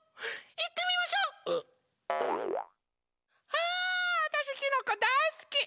あわたしキノコだいすき！